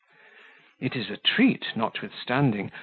"It is a treat, notwithstanding.